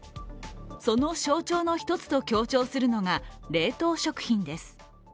その象徴の一つと強調するのが冷凍食品です。